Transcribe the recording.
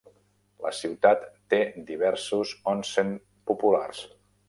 La ciutat té diversos "onsen" populars.